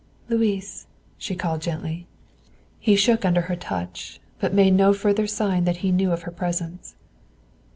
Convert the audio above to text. "Louis," she called gently. He shook under her touch, but made no further sign that he knew of her presence.